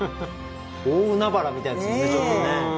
大海原みたいですもんねちょっとね。